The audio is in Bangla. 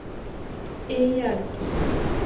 এই আর কি।